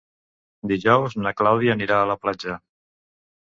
Dijous na Clàudia anirà a la platja.